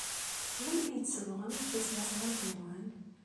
Melmi ay tsebɣem tasnasɣalt-nwen?